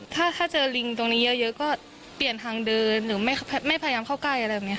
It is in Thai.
ถ้าเจอลิงตรงนี้เยอะก็เปลี่ยนทางเดินหรือไม่พยายามเข้าใกล้อะไรแบบนี้ค่ะ